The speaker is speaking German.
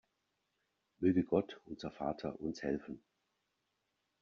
Möge Gott, unser Vater, uns helfen!